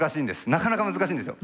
なかなか難しいんですよ。